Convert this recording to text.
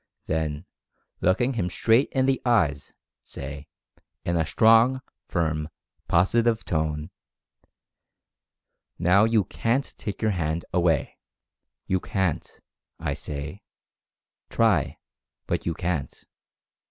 Then, looking him straight in the eyes, say, in a strong, firm, positive tone : "Now you CAN'T take your hand away — you CAN'T, I say — try, but you CAN'T.